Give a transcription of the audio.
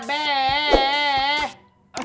cutut semangat man